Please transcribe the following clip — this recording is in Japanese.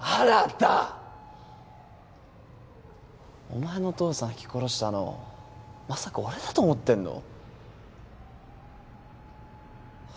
お前の父さんひき殺したのまさか俺だと思ってんの？